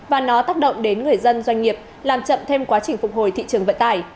và nó tác động đến người dân doanh nghiệp làm chậm thêm quá trình phục hồi thị trường vận tải